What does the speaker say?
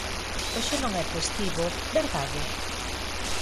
Hoxe non é festivo, verdade?